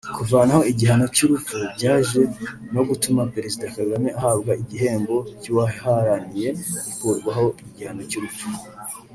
Kuvanaho igihano cy’urupfu byaje no gutuma Perezida Kagame ahabwa igihembo cy’uwaharaniye ikurwaho ry’igihano cy’urupfu